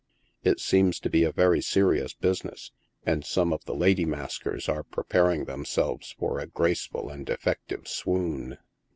It seems to be a very serious business, and some of tho lady maskers are preparing themselves for a graceful and effective swoon.